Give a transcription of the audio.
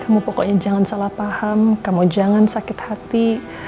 kamu pokoknya jangan salah paham kamu jangan sakit hati